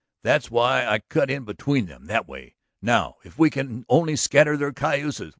That's why I cut in between them that way. Now if we can only scatter their cayuses